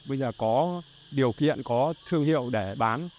nhận có thư hiệu để bán